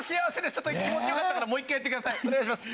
ちょっと気持ち良かったからもう１回言ってくださいお願いします。